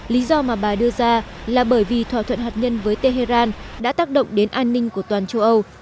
lý do mà bà đưa ra là bởi vì thỏa thuận hạt nhân với tehran đã tác động đến an ninh của toàn châu âu